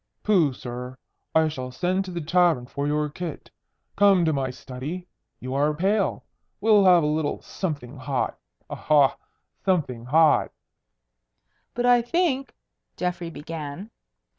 "Pooh, sir! I shall send to the tavern for your kit. Come to my study. You are pale. We'll have a little something hot. Aha! Something hot!" "But I think " Geoffrey began.